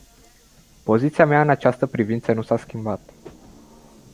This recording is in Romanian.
Poziția mea în această privință nu s-a schimbat.